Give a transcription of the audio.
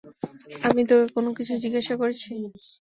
আমি তোকে কোন কিছু জিজ্ঞাসা করেছি?